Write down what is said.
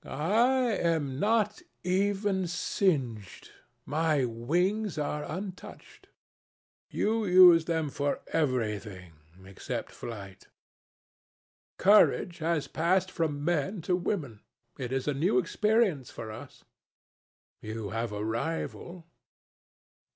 "I am not even singed. My wings are untouched." "You use them for everything, except flight." "Courage has passed from men to women. It is a new experience for us." "You have a rival."